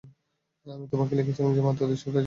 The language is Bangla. আমি তোমাকে লিখেছিলাম যে, মাত্র দুই সপ্তাহের জন্য আসছি।